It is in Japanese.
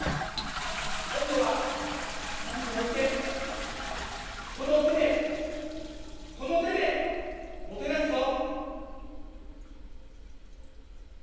今度はハサミを置いてこの手でこの手でもてなすぞ。